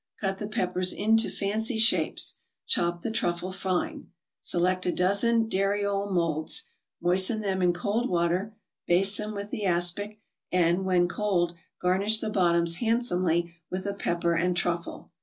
Cut the peppers into fancy shapes. Chop the truffle fine. Select a dozen dariole molds, moisten them in cold water, baste them with the aspic, and, when cold, garnish the bottoms handsomely with a pepper and truffle.